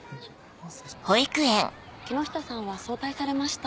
木下さんは早退されました。